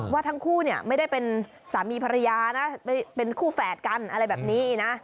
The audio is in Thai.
ว่าทั้งคู่เนี่ยไม่ได้เป็นสามีภรรยานะเป็นคู่แฝดกันอะไรแบบนี้นะ